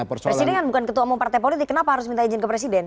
presiden kan bukan ketua umum partai politik kenapa harus minta izin ke presiden